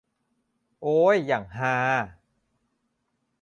โอ้ย อย่างฮา